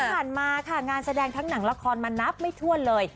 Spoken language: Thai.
ที่ผ่านมาค่ะงานแสดงทั้งหนังละครมานับไม่ถ้วนเลย